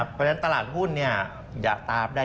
เพราะฉะนั้นตลาดหุ้นอย่าตามได้